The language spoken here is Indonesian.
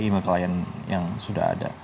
ema klien yang sudah ada